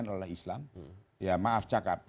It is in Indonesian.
oleh islam ya maaf cakap